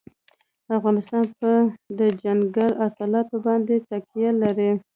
افغانستان په دځنګل حاصلات باندې تکیه لري.